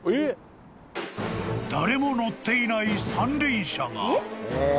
［誰も乗っていない三輪車が］